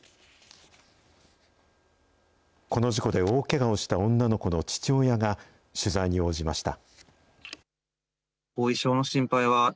この事故で大けがをした女の子の父親が、取材に応じました。